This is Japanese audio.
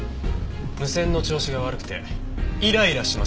無線の調子が悪くてイライラしましたけど。